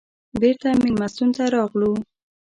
بېرته مېلمستون ته راغلو.